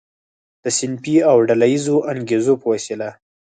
د صنفي او ډله ییزو انګیزو په وسیله.